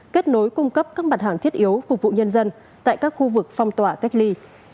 kết nối cung cấp các mặt hàng thiết yếu phục vụ nhân dân tại các khu vực phong tỏa cách ly